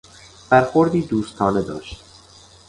برخوردی دوستانه داشت.